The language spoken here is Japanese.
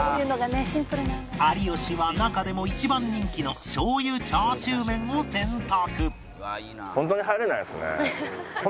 有吉は中でも一番人気のしょうゆチャーシューメンを選択